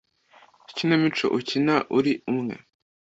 ikinamico ukina uri umwe?